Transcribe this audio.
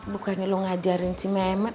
bukannya lo ngajarin si memot